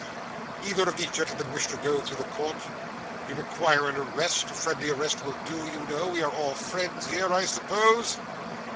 Either of these gentlemen wish to go through the court? We require an arrest; a friendly arrest will do, you know; we are all friends here, I suppose?